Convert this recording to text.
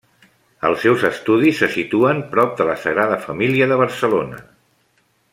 Els seus estudis se situen prop de la Sagrada Família de Barcelona.